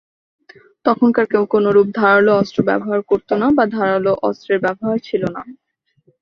তখনকার কেউ কোনরূপ ধারালো অস্ত্র ব্যবহার করত না বা ধারালো অস্ত্রের ব্যবহার ছিল না।